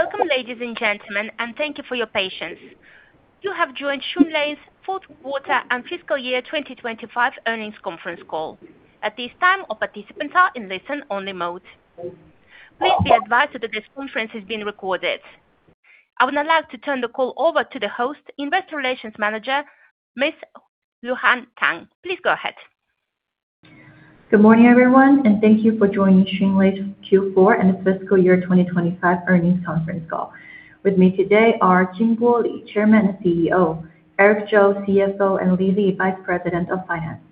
Welcome, ladies and gentlemen, and thank you for your patience. You have joined Xunlei's Fourth Quarter and Fiscal Year 2025 Earnings Conference Call. At this time, all participants are in listen-only mode. Please be advised that this conference is being recorded. I would now like to turn the call over to the host, Investor Relations Manager, Ms. Luhan Tang. Please go ahead. Good morning, everyone, and thank you for joining Xunlei's Q4 and fiscal year 2025 earnings conference call. With me today are Jinbo Li, Chairman and CEO, Eric Zhou, CFO, and Li Li, Vice President of Finance.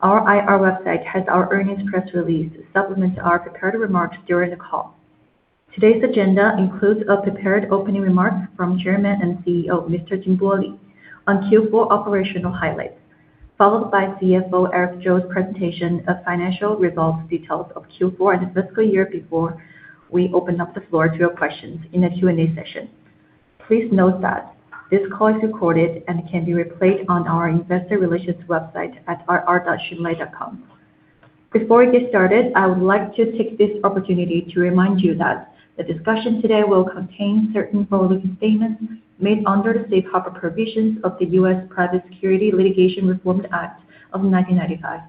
Our IR website has our earnings press release, supplements our prepared remarks during the call. Today's agenda includes a prepared opening remarks from Chairman and CEO, Mr. Jinbo Li, on Q4 operational highlights, followed by CFO Eric Zhou's presentation of financial results, details of Q4 and the fiscal year before we open up the floor to your questions in the Q&A session. Please note that this call is recorded and can be replayed on our investor relations website at ir.xunlei.com. Before we get started, I would like to take this opportunity to remind you that the discussion today will contain certain forward-looking statements made under the safe harbor provisions of the U.S. Private Securities Litigation Reform Act of 1995.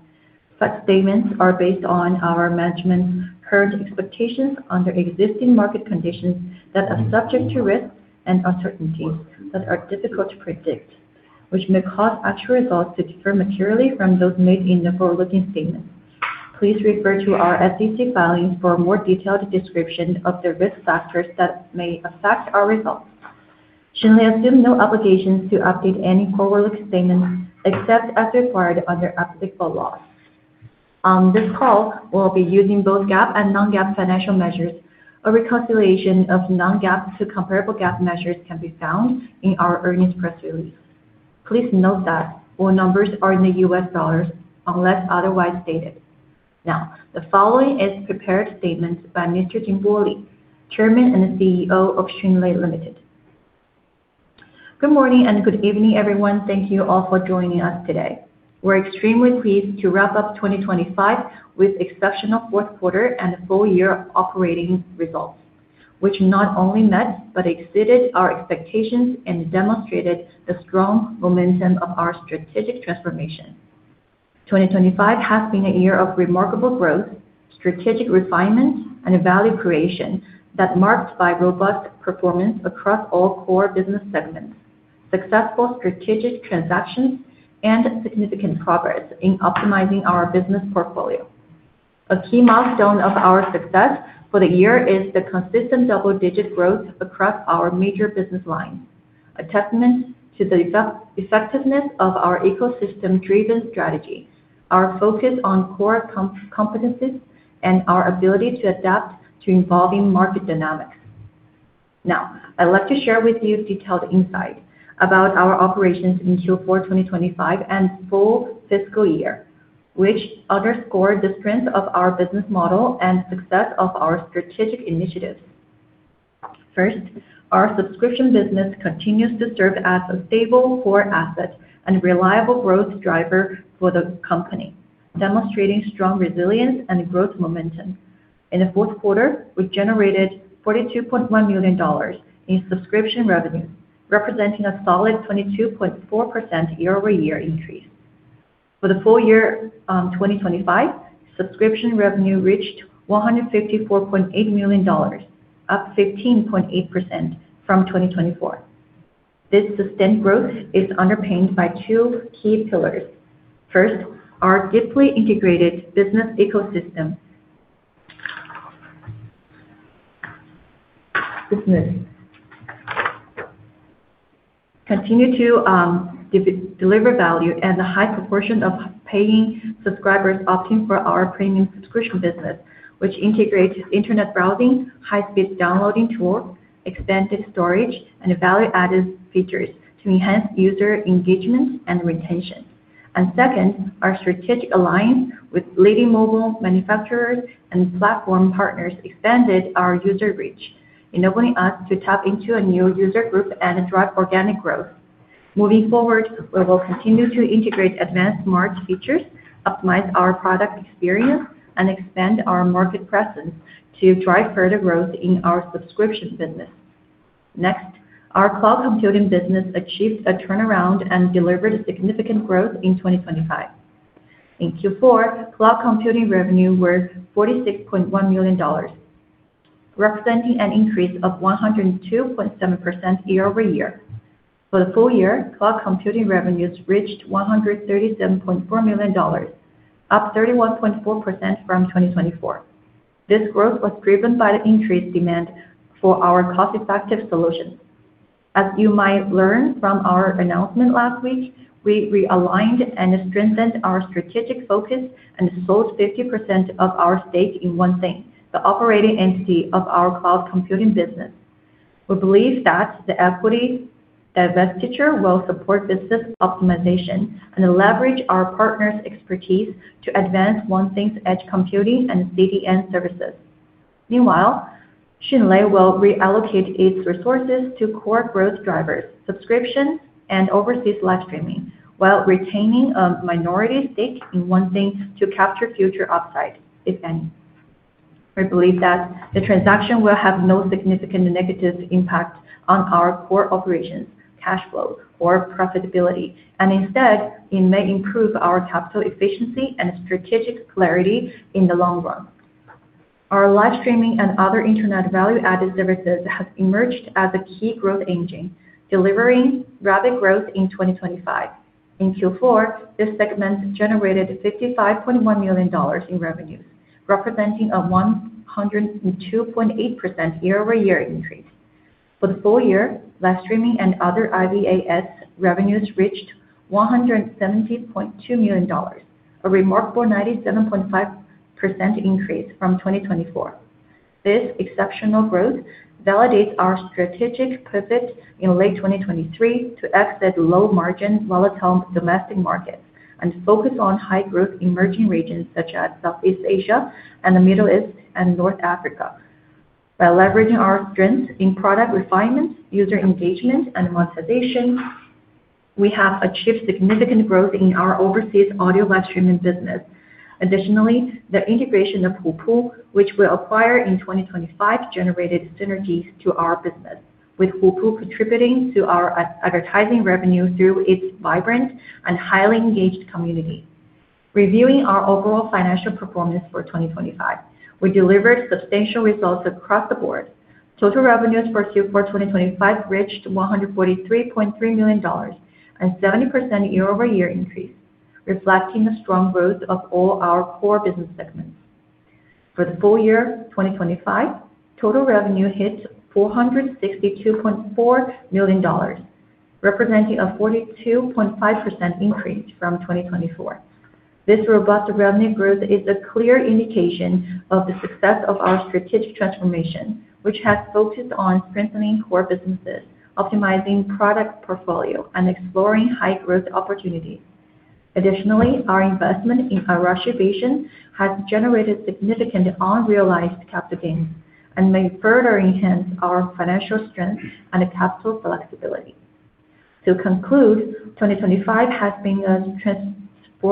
Such statements are based on our management's current expectations under existing market conditions that are subject to risks and uncertainties that are difficult to predict, which may cause actual results to differ materially from those made in the forward-looking statements. Please refer to our SEC filings for a more detailed description of the risk factors that may affect our results. Xunlei assumes no obligation to update any forward-looking statements except as required under applicable laws. On this call, we'll be using both GAAP and non-GAAP financial measures. A reconciliation of non-GAAP to comparable GAAP measures can be found in our earnings press release. Please note that all numbers are in the U.S. dollars unless otherwise stated. Now, the following is prepared statements by Mr. Jinbo Li, Chairman and CEO of Xunlei Limited. Good morning and good evening, everyone. Thank you all for joining us today. We're extremely pleased to wrap up 2025 with exceptional fourth quarter and full year operating results, which not only met but exceeded our expectations and demonstrated the strong momentum of our strategic transformation. 2025 has been a year of remarkable growth, strategic refinement, and value creation that marked by robust performance across all core business segments, successful strategic transactions, and significant progress in optimizing our business portfolio. A key milestone of our success for the year is the consistent double-digit growth across our major business lines, a testament to the effectiveness of our ecosystem-driven strategy, our focus on core competencies, and our ability to adapt to evolving market dynamics. Now, I'd like to share with you detailed insight about our operations in Q4 2025 and full fiscal year, which underscore the strength of our business model and success of our strategic initiatives. First, our subscription business continues to serve as a stable core asset and reliable growth driver for the company, demonstrating strong resilience and growth momentum. In the fourth quarter, we generated $42.1 million in subscription revenue, representing a solid 22.4% year-over-year increase. For the full year 2025, subscription revenue reached $154.8 million, up 15.8% from 2024. This sustained growth is underpinned by two key pillars. First, our deeply integrated business ecosystem continues to deliver value and a high proportion of paying subscribers opting for our premium subscription business, which integrates internet browsing, high-speed downloading tool, extensive storage, and value-added features to enhance user engagement and retention. Second, our strategic alliance with leading mobile manufacturers and platform partners expanded our user reach, enabling us to tap into a new user group and drive organic growth. Moving forward, we will continue to integrate advanced smart features, optimize our product experience, and expand our market presence to drive further growth in our subscription business. Next, our cloud computing business achieved a turnaround and delivered significant growth in 2025. In Q4, cloud computing revenue was $46.1 million, representing an increase of 102.7% year-over-year. For the full year, cloud computing revenues reached $137.4 million, up 31.4% from 2024. This growth was driven by the increased demand for our cost-effective solutions. As you might learn from our announcement last week, we realigned and strengthened our strategic focus and sold 50% of our stake in Onething, the operating entity of our cloud computing business. We believe that the equity divestiture will support business optimization and leverage our partner's expertise to advance Onething's edge computing and CDN services. Meanwhile, Xunlei will reallocate its resources to core growth drivers, subscription, and overseas live streaming. While retaining a minority stake in Onething to capture future upside, if any. We believe that the transaction will have no significant negative impact on our core operations, cash flow or profitability, and instead, it may improve our capital efficiency and strategic clarity in the long run. Our live streaming and other internet value-added services have emerged as a key growth engine, delivering rapid growth in 2025. In Q4, this segment generated $55.1 million in revenues, representing a 102.8% year-over-year increase. For the full year, live streaming and other IVAS revenues reached $170.2 million, a remarkable 97.5% increase from 2024. This exceptional growth validates our strategic pivot in late 2023 to exit low-margin volatile domestic markets and focus on high-growth emerging regions such as Southeast Asia and the Middle East and North Africa. By leveraging our strength in product refinement, user engagement, and monetization, we have achieved significant growth in our overseas audio live streaming business. Additionally, the integration of Hupu, which we acquired in 2025, generated synergies to our business, with Hupu contributing to our advertising revenue through its vibrant and highly engaged community. Reviewing our overall financial performance for 2025, we delivered substantial results across the board. Total revenues for Q4 2025 reached $143.3 million, a 70% year-over-year increase, reflecting the strong growth of all our core business segments. For the full year 2025, total revenue hit $462.4 million, representing a 42.5% increase from 2024. This robust revenue growth is a clear indication of the success of our strategic transformation, which has focused on strengthening core businesses, optimizing product portfolio, and exploring high-growth opportunities. Additionally, our investment in our reservation has generated significant unrealized capital gains and may further enhance our financial strength and capital flexibility. To conclude, 2025 has been a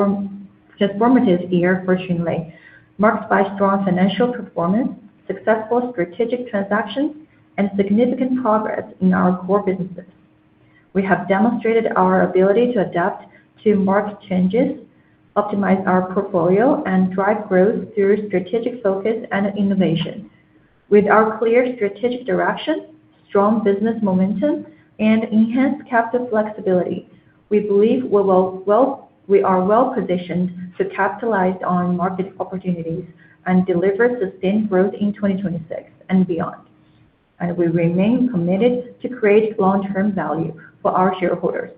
transformative year for Xunlei, marked by strong financial performance, successful strategic transactions, and significant progress in our core businesses. We have demonstrated our ability to adapt to market changes, optimize our portfolio, and drive growth through strategic focus and innovation. With our clear strategic direction, strong business momentum, and enhanced capital flexibility, we believe we are well-positioned to capitalize on market opportunities and deliver sustained growth in 2026 and beyond. We remain committed to create long-term value for our shareholders.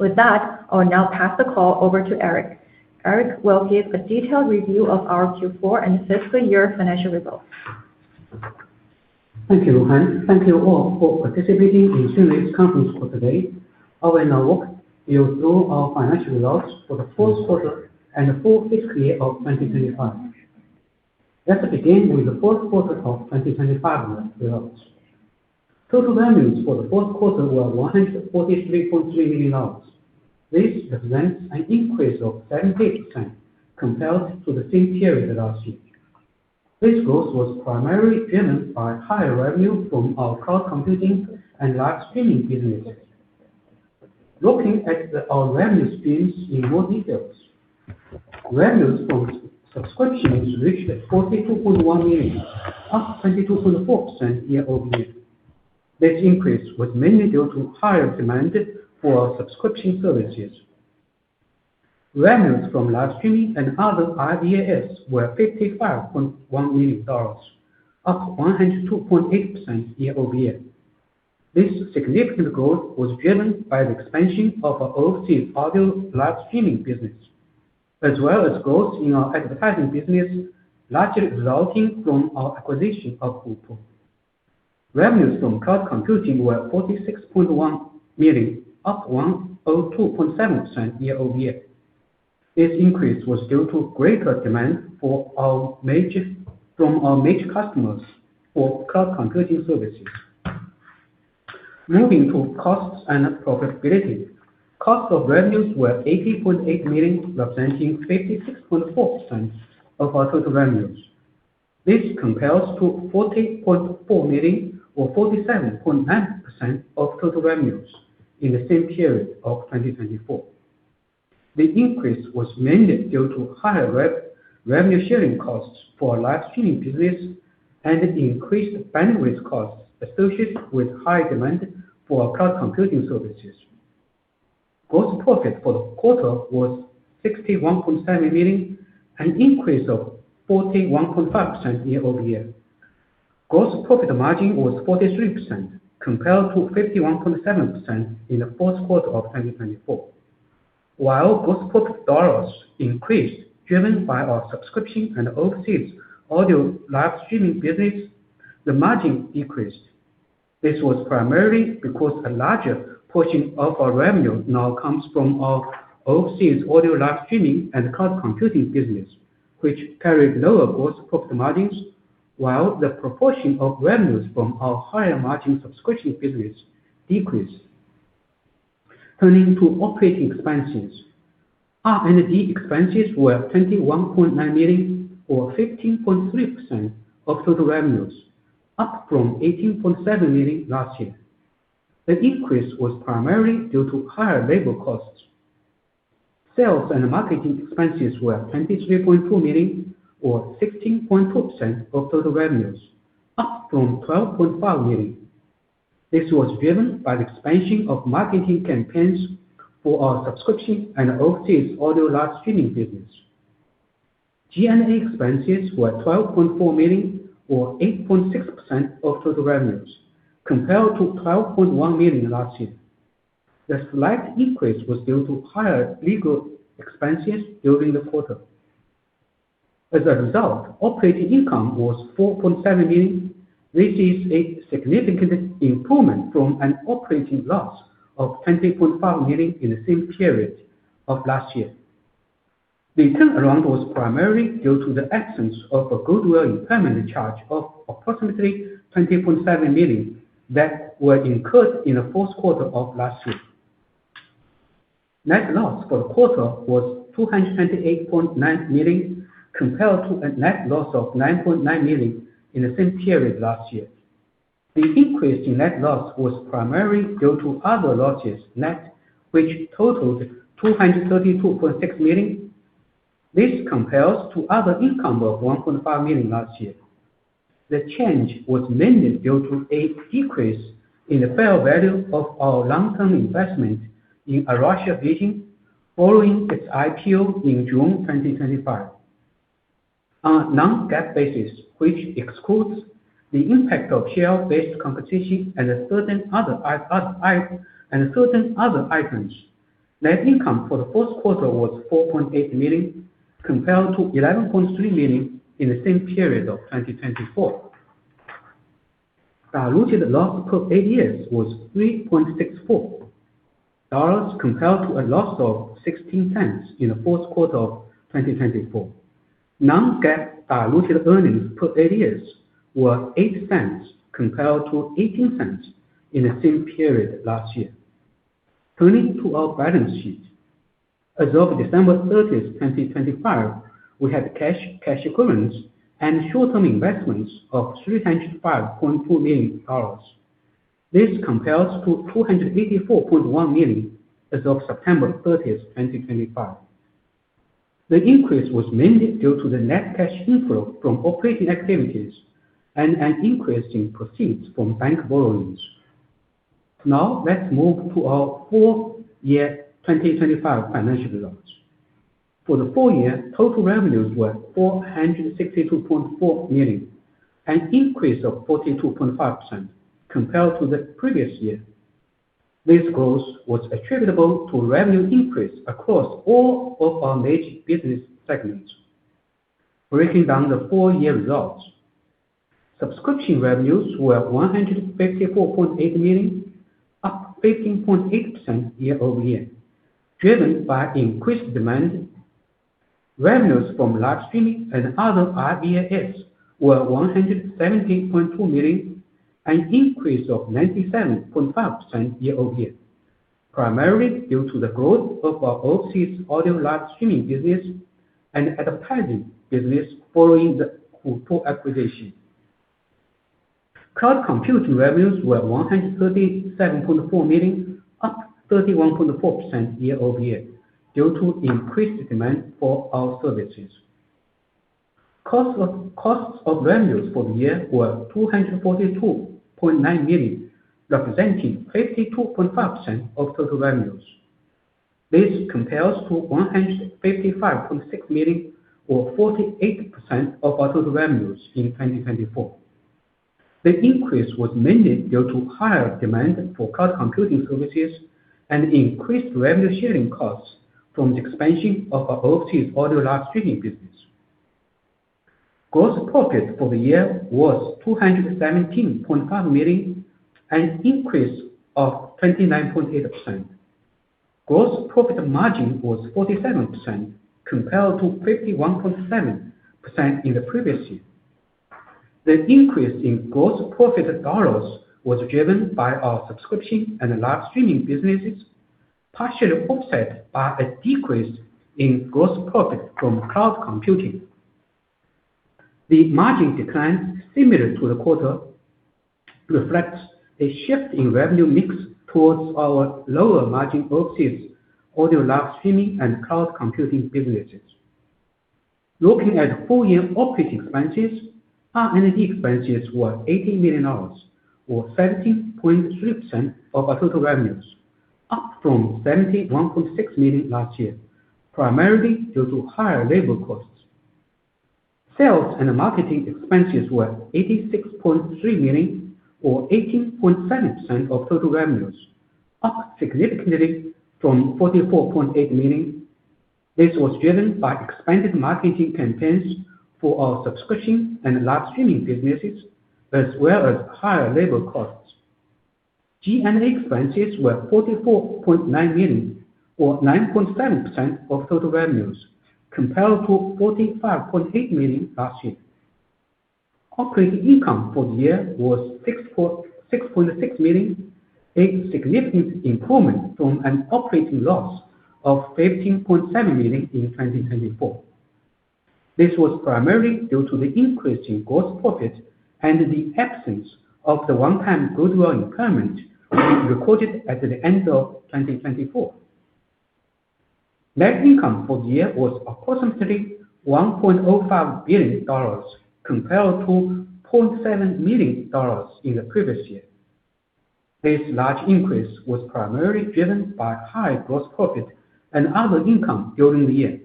With that, I'll now pass the call over to Eric. Eric will give a detailed review of our Q4 and fiscal year financial results. Thank you, Luhan. Thank you all for participating in Xunlei's conference call today. I will now walk you through our financial results for the fourth quarter and full fiscal year of 2025. Let's begin with the fourth quarter of 2025 results. Total revenues for the fourth quarter were $143.3 million. This represents an increase of 70% compared to the same period last year. This growth was primarily driven by higher revenue from our cloud computing and live streaming businesses. Looking at our revenue streams in more details. Revenues from subscriptions reached $42.1 million, up 22.4% year-over-year. This increase was mainly due to higher demand for our subscription services. Revenues from live streaming and other IVAS were $55.1 million, up 102.8% year-over-year. This significant growth was driven by the expansion of our overseas audio live streaming business, as well as growth in our advertising business, largely resulting from our acquisition of Hupu. Revenues from cloud computing were $46.1 million, up 102.7% year-over-year. This increase was due to greater demand from our major customers for cloud computing services. Moving to costs and profitability. Cost of revenues were $80.8 million, representing 56.4% of our total revenues. This compares to $40.4 million or 47.9% of total revenues in the same period of 2024. The increase was mainly due to higher revenue sharing costs for our live streaming business and increased bandwidth costs associated with high demand for our cloud computing services. Gross profit for the quarter was $61.7 million, an increase of 41.5% year-over-year. Gross profit margin was 43%, compared to 51.7% in the fourth quarter of 2024. While gross profit dollars increased, driven by our subscription and overseas audio live streaming business, the margin decreased. This was primarily because a larger portion of our revenue now comes from our overseas audio live streaming and cloud computing business, which carry lower gross profit margins. While the proportion of revenues from our higher margin subscription business decreased. Turning to operating expenses, our G&A expenses were $21.9 million, or 15.3% of total revenues, up from $18.7 million last year. The increase was primarily due to higher labor costs. Sales and marketing expenses were $23.2 million, or 16.2% of total revenues, up from $12.5 million. This was driven by the expansion of marketing campaigns for our subscription and overseas audio live streaming business. G&A expenses were $12.4 million, or 8.6% of total revenues, compared to $12.1 million last year. The slight increase was due to higher legal expenses during the quarter. As a result, operating income was $4.7 million. This is a significant improvement from an operating loss of $20.5 million in the same period of last year. The turnaround was primarily due to the absence of a goodwill impairment charge of approximately $20.7 million that were incurred in the fourth quarter of last year. Net loss for the quarter was $228.9 million, compared to a net loss of $9.9 million in the same period last year. The increase in net loss was primarily due to other losses net, which totaled $232.6 million. This compares to other income of $1.5 million last year. The change was mainly due to a decrease in the fair value of our long-term investment in Arashi Vision following its IPO in June 2025. On a non-GAAP basis, which excludes the impact of share-based compensation and certain other items, net income for the fourth quarter was $4.8 million, compared to $11.3 million in the same period of 2024. Diluted loss per ADS was $3.64, compared to a loss of $0.16 in the fourth quarter of 2024. Non-GAAP diluted earnings per ADS were $0.08, compared to $0.18 in the same period last year. Turning to our balance sheet. As of December 30th, 2025, we had cash equivalents, and short-term investments of $305.2 million. This compares to $284.1 million as of September 30th, 2025. The increase was mainly due to the net cash inflow from operating activities and an increase in proceeds from bank borrowings. Now, let's move to our full year 2025 financial results. For the full year, total revenues were $462.4 million, an increase of 42.5% compared to the previous year. This growth was attributable to revenue increase across all of our major business segments. Breaking down the full year results. Subscription revenues were $154.8 million, up 15.8% year-over-year, driven by increased demand. Revenues from live streaming and other IVAS were $117.2 million, an increase of 97.5% year-over-year, primarily due to the growth of our overseas audio live streaming business and advertising business following the Hupu acquisition. Cloud computing revenues were $137.4 million, up 31.4% year-over-year, due to increased demand for our services. Costs of revenues for the year were $242.9 million, representing 52.5% of total revenues. This compares to $155.6 million, or 48% of our total revenues in 2024. The increase was mainly due to higher demand for cloud computing services and increased revenue sharing costs from the expansion of our overseas audio live streaming business. Gross profit for the year was $217.5 million, an increase of 29.8%. Gross profit margin was 47%, compared to 51.7% in the previous year. The increase in gross profit dollars was driven by our subscription and live streaming businesses, partially offset by a decrease in gross profit from cloud computing. The margin decline, similar to the quarter, reflects a shift in revenue mix towards our lower margin overseas audio live streaming and cloud computing businesses. Looking at full year operating expenses, R&D expenses were $80 million or 70.3% of our total revenues, up from $71.6 million last year, primarily due to higher labor costs. Sales and marketing expenses were $86.3 million or 18.7% of total revenues, up significantly from $44.8 million. This was driven by expanded marketing campaigns for our subscription and live streaming businesses, as well as higher labor costs. G&A expenses were $44.9 million or 9.7% of total revenues compared to $45.8 million last year. Operating income for the year was $6.6 million, a significant improvement from an operating loss of $15.7 million in 2024. This was primarily due to the increase in gross profit and the absence of the one-time goodwill impairment we recorded at the end of 2024. Net income for the year was approximately $1.05 billion compared to $0.7 million in the previous year. This large increase was primarily driven by high gross profit and other income during the year.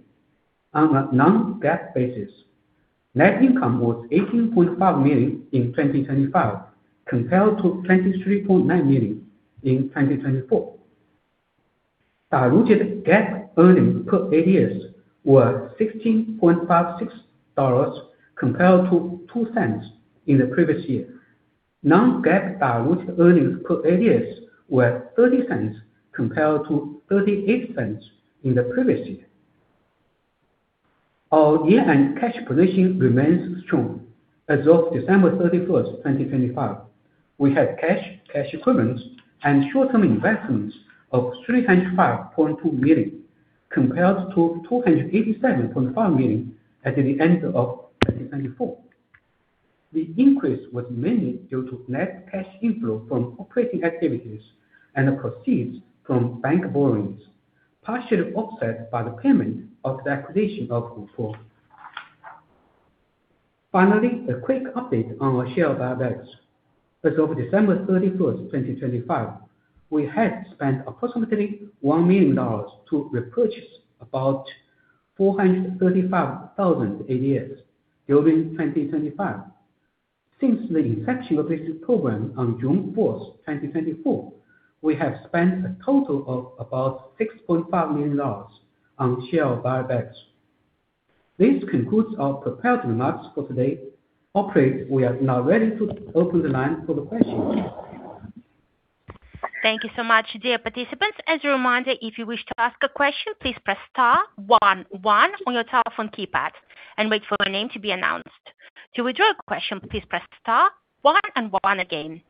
On a non-GAAP basis, net income was $18.5 million in 2025 compared to $23.9 million in 2024. Diluted GAAP earnings per ADS were $0.1656 compared to $0.02 in the previous year. Non-GAAP diluted earnings per ADS were $0.30 compared to $0.38 in the previous year. Our year-end cash position remains strong. As of December 31, 2025, we had cash equivalents and short-term investments of $305.2 million, compared to $287.5 million at the end of 2024. The increase was mainly due to net cash inflow from operating activities and the proceeds from bank borrowings, partially offset by the payment of the acquisition of Hupu. Finally, a quick update on our share buybacks. As of December 31, 2025, we had spent approximately $1 million to repurchase about 435,000 ADS during 2025. Since the inception of this program on June 4, 2024, we have spent a total of about $6.5 million on share buybacks. This concludes our prepared remarks for today. Operator, we are now ready to open the line for the questions. Thank you so much. Dear participants, as a reminder, if you wish to ask a question, please press star one one on your telephone keypad and wait for your name to be announced. To withdraw your question, please press star one and one again.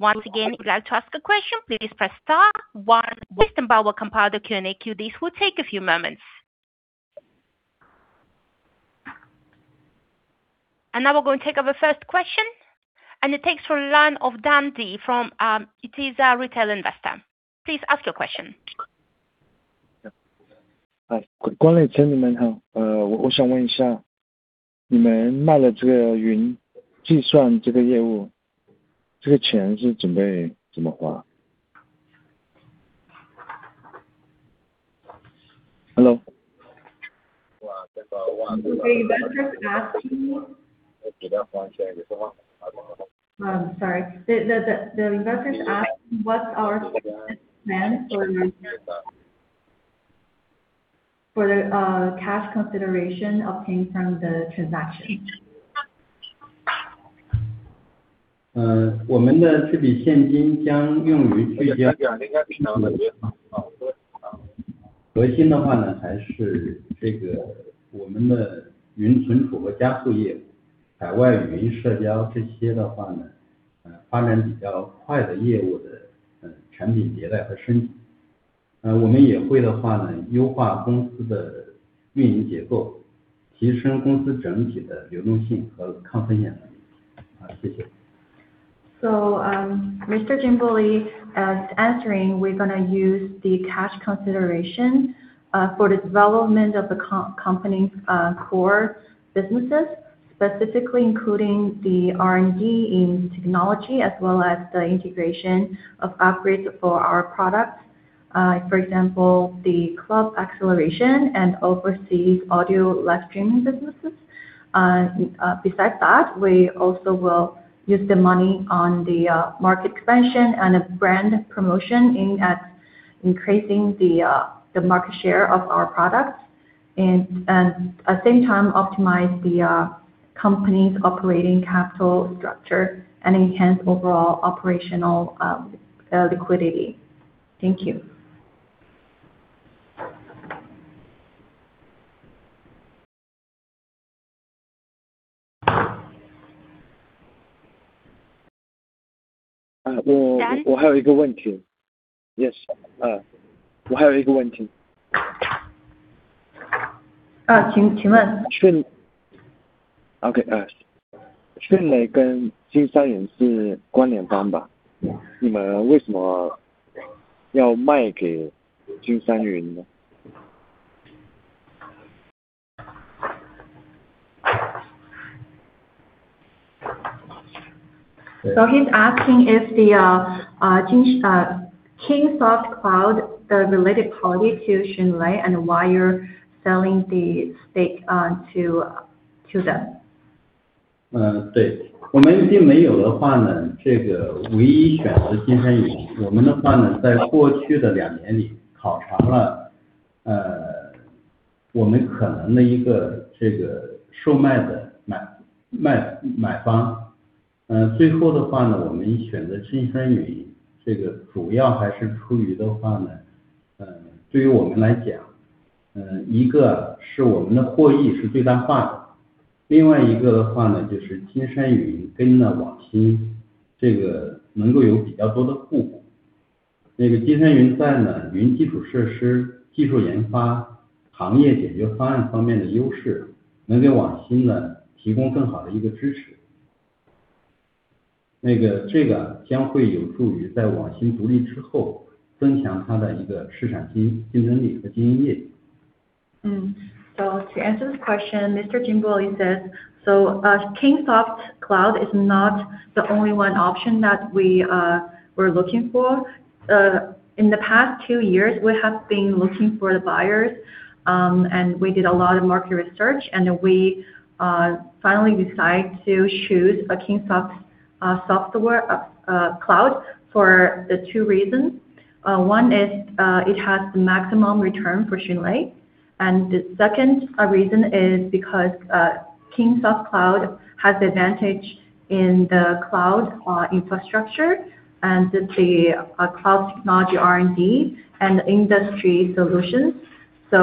Once again, if you'd like to ask a question, please press star one. System board will compile the Q&A queue. This will take a few moments. Now we're going to take our first question, and it's from Len of Dundee, a retail investor. Please ask your question. Uh, The investor is asking what's our plan for the cash consideration obtained from the transaction. Um, Mr. Jinbo Li is answering we're gonna use the cash consideration for the development of the company's core businesses, specifically including the R&D in technology, as well as the integration of upgrades for our products. For example, the cloud acceleration and overseas audio live streaming businesses. Besides that, we also will use the money on the market expansion and the brand promotion aimed at increasing the market share of our products and at the same time optimize the company's operating capital structure and enhance overall operational liquidity. Thank you. I have a question. Yes. I have a question. Please ask. Okay. He's asking if the Kingsoft Cloud related party to Xunlei and why you're selling the stake to them. Yes. We don't have this anymore. The only option is Kingsoft Cloud. To answer this question, Mr. Jinbo Li says, Kingsoft Cloud is not the only one option that we're looking for. In the past two years, we have been looking for the buyers, and we did a lot of market research, and we finally decide to choose Kingsoft Cloud for the two reasons. One is it has the maximum return for Xunlei. The second reason is because Kingsoft Cloud has advantage in the cloud infrastructure and the cloud technology R&D and industry solutions. They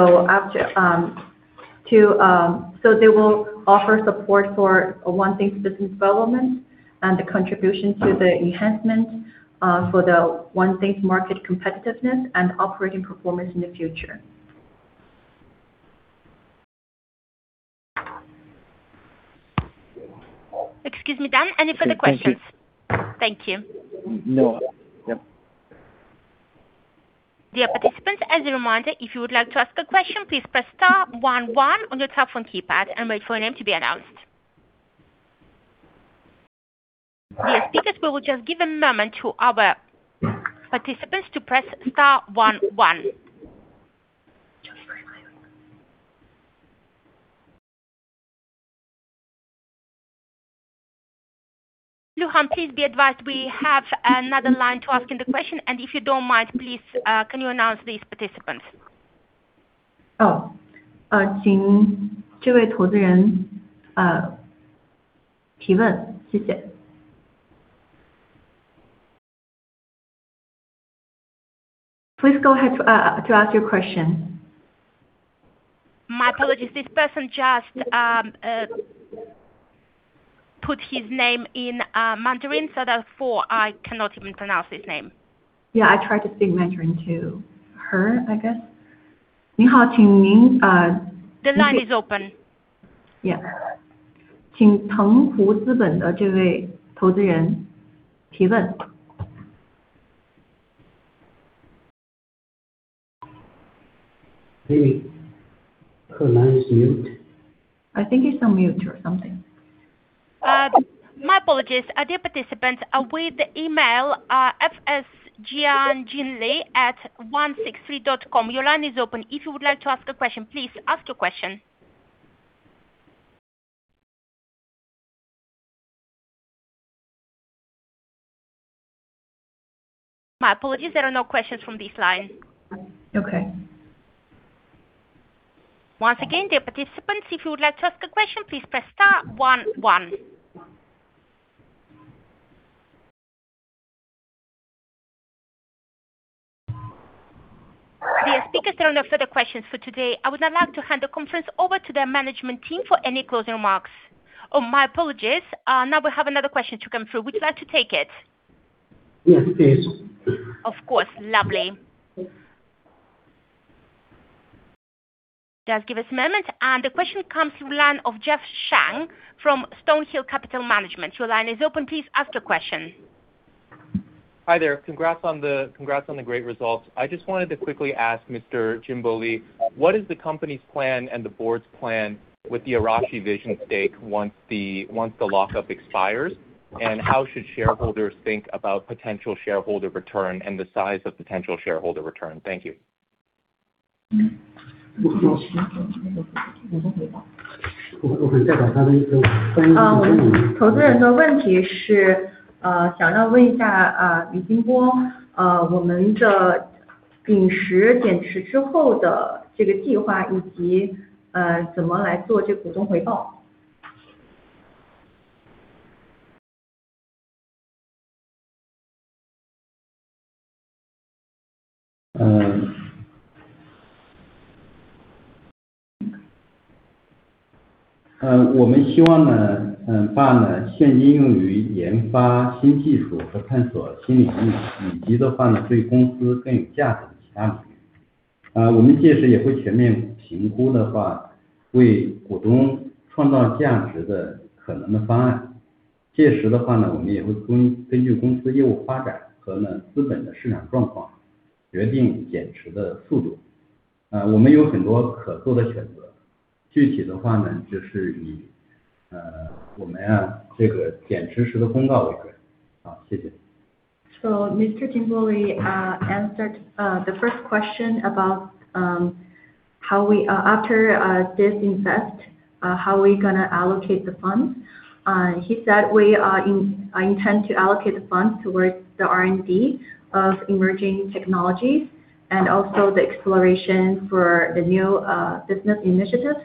will offer support for Onething business development and the contribution to the enhancements for the Onething market competitiveness and operating performance in the future. Excuse me, done. Any further questions? Thank you. No. Yep. Dear participants, as a reminder, if you would like to ask a question, please press star one one on your telephone keypad and wait for your name to be announced. Dear speakers, we will just give a moment to our participants to press star one one. Luhan, please be advised, we have another line to ask you the question, and if you don't mind, please, can you announce these participants? Please go ahead to ask your question. My apologies. This person just put his name in Mandarin, so therefore I cannot even pronounce his name. Yeah, I tried to speak Mandarin to her, I guess. 你好，请您 The line is open. 请藤壶资本的这位投资人提问。Her line is mute. I think he's on mute or something. My apologies. Dear participants, with the email, fsjianjinli@163.com. Your line is open. If you would like to ask a question, please ask your question. My apologies. There are no questions from this line. Okay。Once again, dear participants, if you would like to ask a question, please press star one one. Dear speakers, there are no further questions for today. I would now like to hand the conference over to the management team for any closing remarks. Oh, my apologies. Now we have another question to come through. Would you like to take it? Yes, please. Of course. Lovely. Just give us a moment. The question comes from the line of Jeff Sheng from Stonehill Capital Management. Your line is open. Please ask your question. Hi there. Congrats on the great results. I just wanted to quickly ask Mr. Jinbo Li, what is the company's plan and the board's plan with the Arashi Vision stake once the lock-up expires? And how should shareholders think about potential shareholder return and the size of potential shareholder return? Thank you. 我能回吗？我代表他问一个。投资人的问题是想要问一下李金波，我们的减持——减持之后的这个计划，以及怎么来做这股东回报。Mr. Jinbo Li answered the first question about, after this investment, how we are gonna allocate the funds. He said we intend to allocate the funds towards the R&D of emerging technologies and also the exploration for the new business initiatives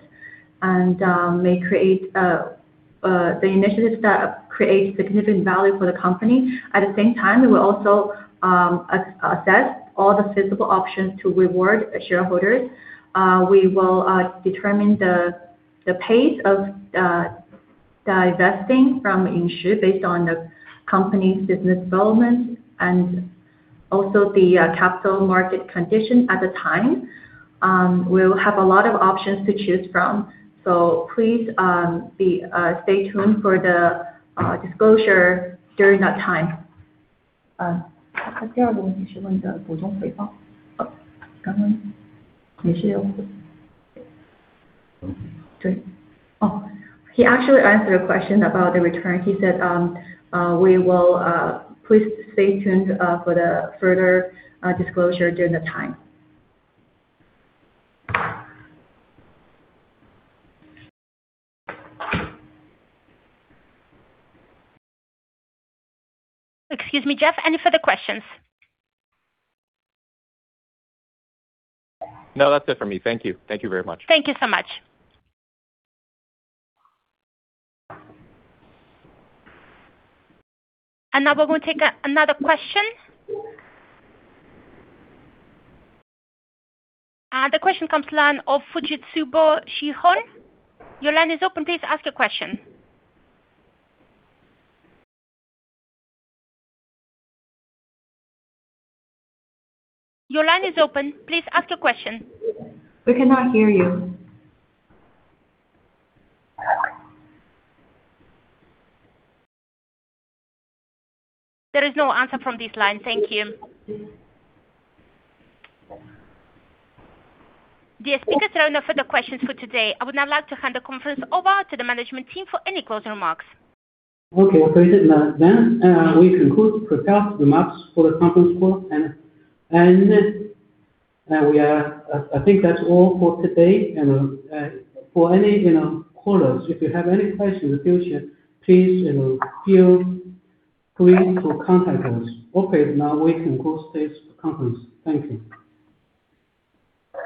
and the initiatives that may create significant value for the company. At the same time, we will also assess all the feasible options to reward shareholders. We will determine the pace of divesting from Yingxiu based on the company's business development and also the capital market condition at the time. We'll have a lot of options to choose from, so please stay tuned for the disclosure during that time. He actually answered a question about the return. He said, please stay tuned for the further disclosure during the time. Excuse me, Jeff. Any further questions? No, that's it for me. Thank you. Thank you very much. Thank you so much. Now we'll take another question. The question comes from the line of. Your line is open. Please ask your question. Your line is open. Please ask your question. We cannot hear you. There is no answer from this line. Thank you. Dear speakers, there are no further questions for today. I would now like to hand the conference over to the management team for any closing remarks. Okay. Well, great. Then we conclude prepared remarks for the conference call, and I think that's all for today. For any, you know, callers, if you have any questions in the future, please, you know, feel free to contact us. Okay. Now we can close this conference. Thank you.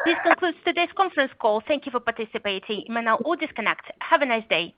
This concludes today's conference call. Thank you for participating. You may now all disconnect. Have a nice day.